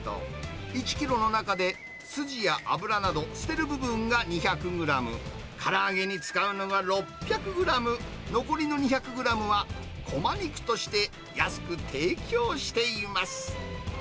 １キロの中ですじや脂など、捨てる部分が２００グラム、から揚げに使うのが６００グラム、残りの２００グラムはこま肉として安く提供しています。